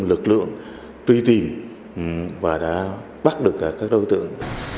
lực lượng truy tìm và đã bắt được các đối tượng